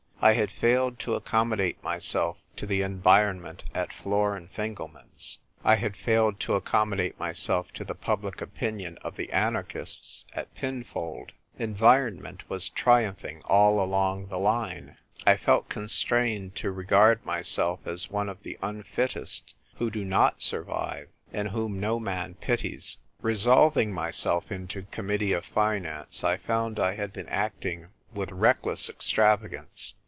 I had failed to accommodate myself to the environment at Flor and Fingelman's ; I had failed to accommodate myself to the public opinion of the anarchists at Pinfold. Environ ment was triumphing all along the line. I CALLED "OF ACCIDENTS." 85 telt constrained to regard myself as one of the unfittest, who do not survive, and whom no man pities. Resolving myself into Committee of Finance, I found I had been acting with reckless ex travagance.